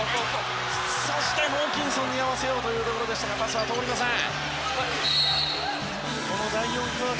そして、ホーキンソンに合わせようというところでしたがパスは通りません。